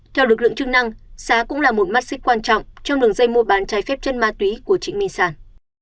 theo lực lượng chức năng xá cũng là một mắt xích quan trọng trong đường dây mua bán trái phép chân ma túy của trịnh my sản